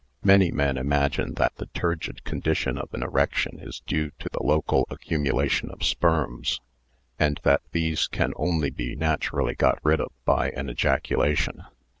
Many men imagine that the turgid condition of an erection is due to the local accumulation of sperms, and that these can only be naturally got rid of by an ejacula tion.